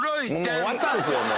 終わったんですよ、もう。